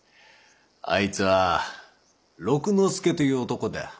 あいつは六之助という男だ。